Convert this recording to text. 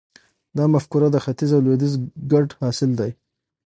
دا مفکوره د ختیځ او لویدیځ ګډ حاصل دی.